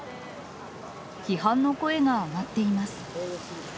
批判の声が上がっています。